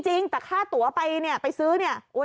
จริงแต่ค่าตัวไปซื้อเนี่ย